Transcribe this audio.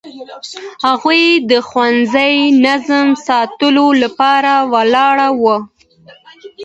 هغوی د ښوونځي نظم ساتلو لپاره ولاړ وو.